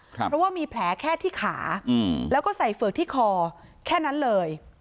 เพราะว่ามีแผลแค่ที่ขาแล้วก็ใส่เฝือกที่คอแค่นั้นเลย